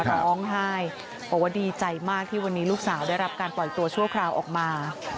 ร้องไห้บอกว่าดีใจมากที่วันนี้ลูกสาวได้รับการปล่อยตัวชั่วคราวออกมา